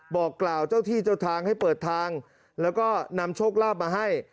บอกกล่าวเจ้าที่เจ้าทางให้เปิดทางแล้วก็นำโชคลาภมาให้